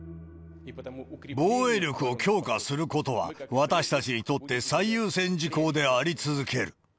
防衛力を強化することは、私たちにとって最優先事項であり続ける。